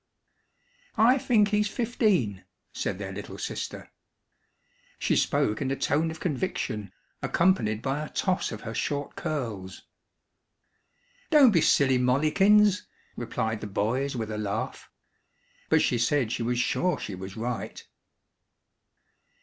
"I fink he's fifteen," said their little sister. She spoke in a tone of conviction, accompanied by a toss of her short curls. "Don't be silly, Mollikins," replied the boys with a laugh; but she said she was sure she was right.